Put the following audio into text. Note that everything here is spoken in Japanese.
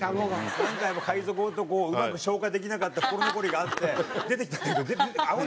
何回も海賊男をうまく消化できなかった心残りがあって出てきたんだけどあご出ちゃってた。